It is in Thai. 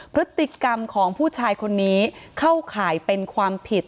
พฤติกรรมของผู้ชายคนนี้เข้าข่ายเป็นความผิด